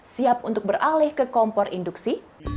siap untuk beralih ke kompor induksi